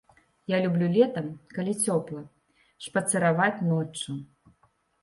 Я люблю летам, калі цёпла, шпацыраваць ноччу.